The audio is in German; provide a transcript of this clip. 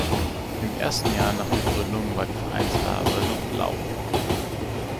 Im ersten Jahr nach der Gründung war die Vereinsfarbe noch Blau.